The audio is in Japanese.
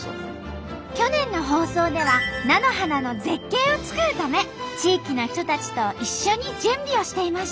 去年の放送では菜の花の絶景をつくるため地域の人たちと一緒に準備をしていました。